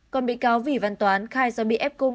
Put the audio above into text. còn bị cáo vỉ văn toán khai do bị ép cung